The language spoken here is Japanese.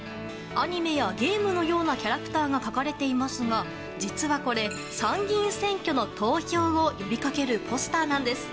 アニメやゲームのようなキャラクターが描かれていますが実はこれ参議院選挙の投票を呼びかけるポスターなんです。